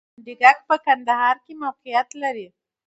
منډیګک په کندهار کې موقعیت لري